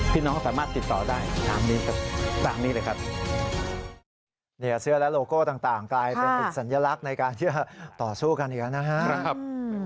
พี่น้องสามารถติดต่อได้ตามนี้เลยครับ